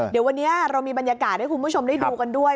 เดี๋ยววันนี้เรามีบรรยากาศให้คุณผู้ชมได้ดูกันด้วย